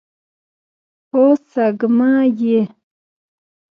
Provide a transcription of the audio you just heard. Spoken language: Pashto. په سږمه يې ور ومنډل.